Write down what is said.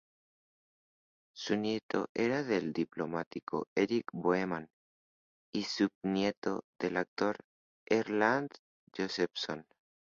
Su nieto era el diplomático Erik Boheman y su bisnieto el actor Erland Josephson.